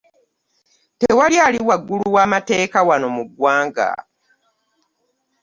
Tewali ali waggulu w'amateeka wano mu ggwanga.